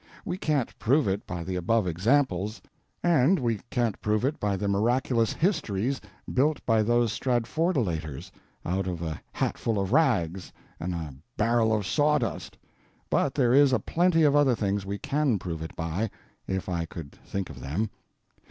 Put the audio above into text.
We can't prove it by the above examples, and we can't prove it by the miraculous "histories" built by those Stratfordolaters out of a hatful of rags and a barrel of sawdust, but there is a plenty of other things we can prove it by, if I could think of them.